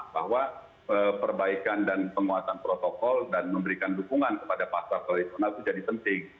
bahwa perbaikan dan penguatan protokol dan memberikan dukungan kepada pasar tradisional itu jadi penting